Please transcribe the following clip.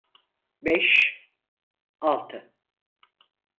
Beş, altı.